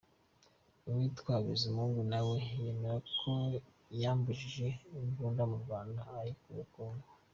Uwitwa Bizimungu na we yemera ko yambukije Imbunda mu Rwanda ayikuye Congo.